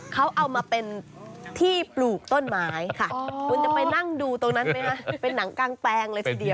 เขาเอามาเป็นที่ปลูกต้นไม้ค่ะคุณจะไปนั่งดูตรงนั้นไหมคะเป็นหนังกลางแปลงเลยทีเดียว